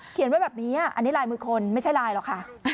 ไว้แบบนี้อันนี้ลายมือคนไม่ใช่ลายหรอกค่ะ